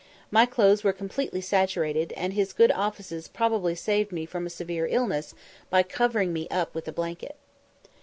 My clothes were completely saturated, and his good offices probably saved me from a severe illness by covering me up with a blanket.